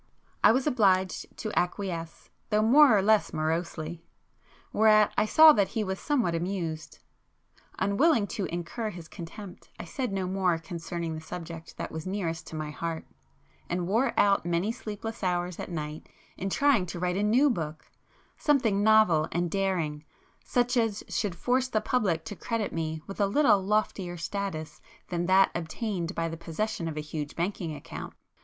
I was obliged to acquiesce, though more or less morosely,—whereat I saw that he was somewhat amused. Unwilling to incur his contempt I said no more concerning the subject [p 214] that was the nearest to my heart, and wore out many sleepless hours at night in trying to write a new book,—something novel and daring, such as should force the public to credit me with a little loftier status than that obtained by the possession of a huge banking account.